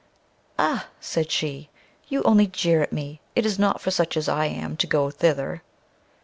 "Ah!" said she, "you only jeer at me; it is not for such as I am to go thither."